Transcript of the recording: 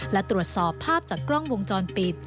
และตรวจสอบภาพจากกล้องวงจรปิด